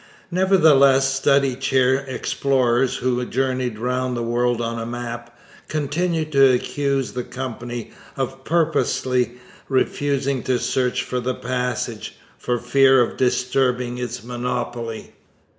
Nevertheless study chair explorers who journeyed round the world on a map, continued to accuse the Company of purposely refusing to search for the Passage, for fear of disturbing its monopoly.